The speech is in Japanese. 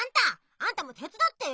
あんたもてつだってよ！